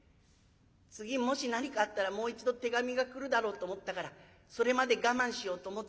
次もし何かあったらもう一度手紙が来るだろうと思ったからそれまで我慢しようと思ってたんだ。